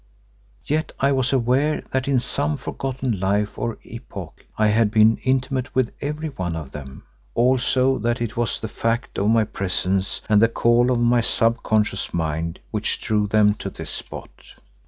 Yet I was aware that in some forgotten life or epoch I had been intimate with every one of them; also that it was the fact of my presence and the call of my sub conscious mind which drew them to this spot.